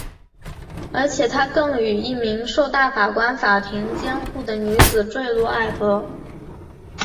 而且他更与一名受大法官法庭监护的女子堕入爱河。